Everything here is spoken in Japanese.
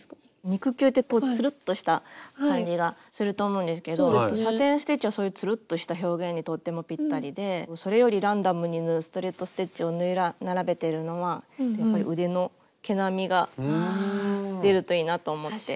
肉球ってこうつるっとした感じがすると思うんですけどサテン・ステッチはそういうつるっとした表現にとってもぴったりでそれよりランダムに縫うストレート・ステッチを縫い並べてるのはやっぱり腕の毛並みが出るといいなと思って。